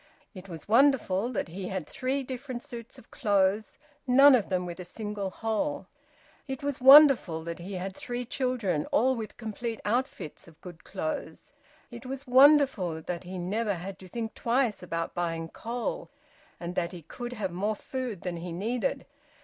It was wonderful that he had three different suits of clothes, none of them with a single hole. It was wonderful that he had three children, all with complete outfits of good clothes. It was wonderful that he never had to think twice about buying coal, and that he could have more food than he needed.